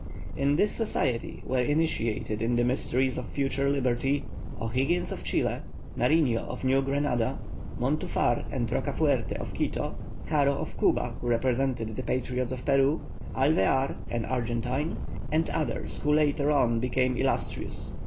In this society were initiated in the mysteries of future liberty, O'Higgins of Chile, Nariño of New Granada, Montufar and Rocafuerte of Quito, Caro of Cuba, who represented the patriots of Peru, Alvear, an Argentine, and others who later on became illustrious.